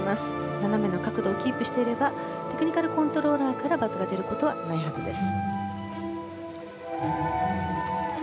斜めの角度をキープしていればテクニカルコントローラーからバツが出ることはないはずです。